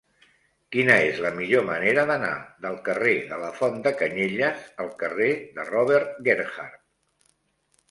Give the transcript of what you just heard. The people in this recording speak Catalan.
Quina és la millor manera d'anar del carrer de la Font de Canyelles al carrer de Robert Gerhard?